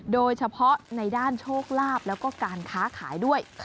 โดยเฉพาะในด้านโชคลาภแล้วก็การค้าขายด้วย